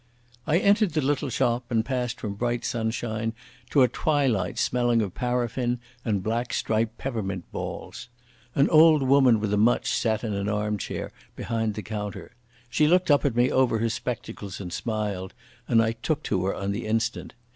I entered the little shop, and passed from bright sunshine to a twilight smelling of paraffin and black striped peppermint balls. An old woman with a mutch sat in an arm chair behind the counter. She looked up at me over her spectacles and smiled, and I took to her on the instant.